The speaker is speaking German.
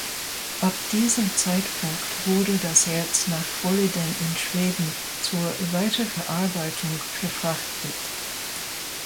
Ab diesem Zeitpunkt wurde das Erz nach Boliden in Schweden zur Weiterverarbeitung verfrachtet.